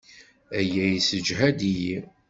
Aya yessejhad-iyi.